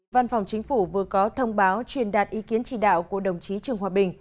văn phòng chính phủ vừa có thông báo truyền đạt ý kiến chỉ đạo của đồng chí trường hòa bình